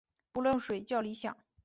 不漏水较理想。